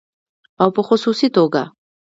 او په خصوصي توګه